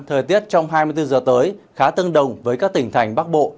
thời tiết trong hai mươi bốn giờ tới khá tương đồng với các tỉnh thành bắc bộ